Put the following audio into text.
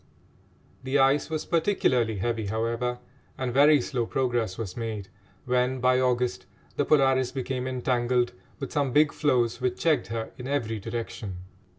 The ice was particularly heavy, however, and very slow progress was made when, by August, the Polaris became entangled with some big floes which checked her in every direction.